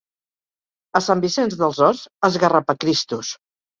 A Sant Vicenç dels Horts, esgarrapacristos.